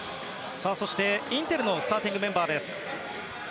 そしてインテルのスターティングメンバーです。